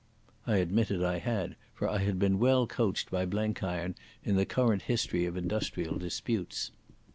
I admitted I had, for I had been well coached by Blenkiron in the current history of industrial disputes.